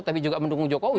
tapi juga mendukung jokowi